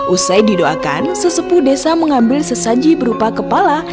usai didoakan sesepuh desa mengambil sesaji berupa kepala